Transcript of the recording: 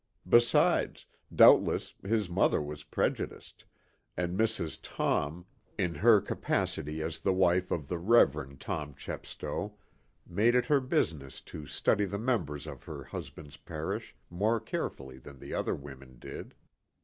Besides, doubtless his mother was prejudiced, and Mrs. Tom, in her capacity as the wife of the Rev. Tom Chepstow, made it her business to study the members of her husband's parish more carefully than the other women did.